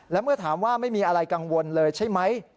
และเมื่อถามว่าไม่มีอะไรกังวลเลยใช่ไหม